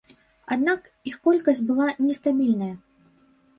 Аднак іх колькасць была нестабільная.